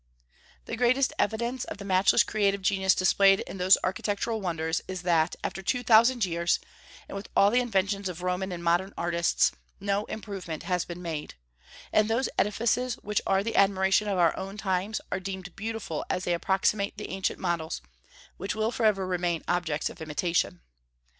The greatest evidence of the matchless creative genius displayed in those architectural wonders is that after two thousand years, and with all the inventions of Roman and modern artists, no improvement has been made; and those edifices which are the admiration of our own times are deemed beautiful as they approximate the ancient models, which will forever remain objects of imitation.